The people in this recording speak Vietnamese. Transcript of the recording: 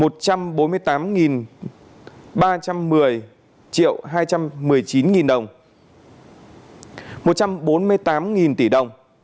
triệu hai trăm một mươi chín đồng một trăm bốn mươi tám tỷ đồng